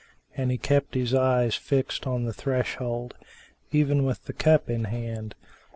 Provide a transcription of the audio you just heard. and he kept his eyes fixed on the threshold, even with cup in hand.